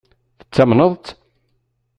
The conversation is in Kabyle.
Tettamneḍ-tt?